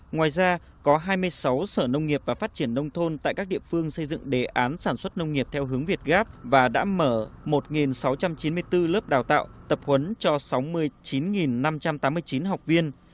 ngoài ra có hai mươi sáu sở nông nghiệp và phát triển nông thôn tại các địa phương xây dựng đề án sản xuất nông nghiệp theo hướng việt gáp và đã mở một sáu trăm chín mươi bốn lớp đào tạo tập huấn cho sáu mươi chín năm trăm tám mươi chín học viên